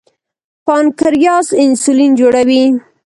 پانکریاس انسولین جوړوي.